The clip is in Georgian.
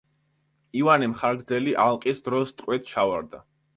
ივანე მხარგრძელი ალყის დროს ტყვედ ჩავარდა.